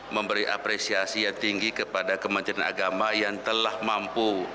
memberi apresiasi yang tinggi kepada kementerian agama yang telah mampu